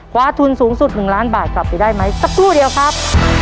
คว้าทุนสูงสุด๑ล้านบาทกลับไปได้ไหมสักครู่เดียวครับ